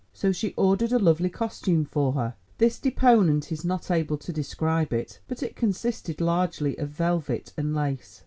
So she ordered a lovely costume for her—this deponent is not able to describe it, but it consisted largely of velvet and lace.